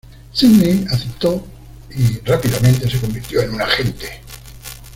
Sydney aceptó y rápidamente se convirtió en un agente.